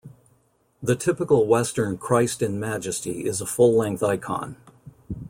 The typical Western Christ in Majesty is a full-length icon.